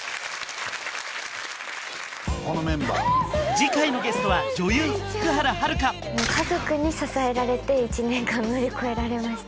次回のゲストは女優福原遥家族に支えられて１年間乗り越えられました